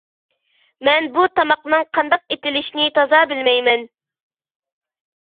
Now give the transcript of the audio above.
مەن بۇ تاماقنىڭ قانداق ئېتىلىشىنى تازا بىلمەيمەن.